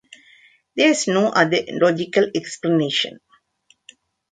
There's no other logical explanation!